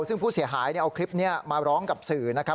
ซึ่งผู้เสียหายเอาคลิปนี้มาร้องกับสื่อนะครับ